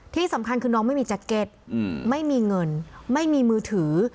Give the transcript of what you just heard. ที่สำคัญคือน้องไม่มีแจ็คเก็ตไม่มีเงินไม่มีมือถือ